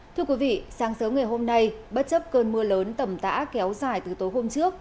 thưa quý vị sáng sớm ngày hôm nay bất chấp cơn mưa lớn tầm tã kéo dài từ tối hôm trước